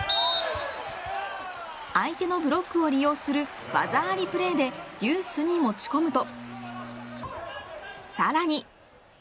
相手のブロックを利用する技ありプレーでデュースに持ち込むと。